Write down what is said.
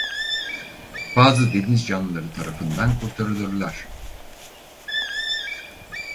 Bazı deniz canlıları tarafından kurtarılırlar.